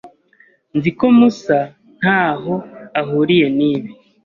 Nzi ko Musa ntaho ahuriye nibi.